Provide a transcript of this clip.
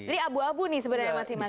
jadi abu abu nih sebenarnya masing masing